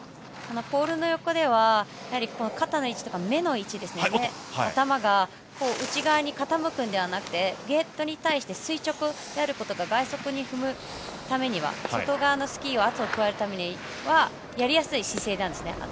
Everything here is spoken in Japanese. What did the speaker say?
ポールの横では肩の位置とか目の位置頭が内側に傾くのではなくてゲートに対して垂直であることが外足に踏むためには外側のスキーに圧を加えるためにはやりやすい姿勢なんですね。